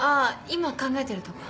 今考えてるとこ。